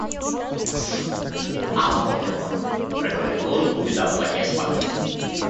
А, вот и он, — проговорил он, увидав лакея с подносом.